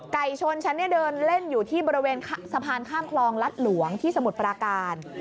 ชนฉันเดินเล่นอยู่ที่บริเวณสะพานข้ามคลองรัฐหลวงที่สมุทรปราการ